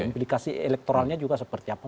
implikasi elektoralnya juga seperti apa